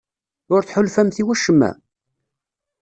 Ur tḥulfamt i wacemma?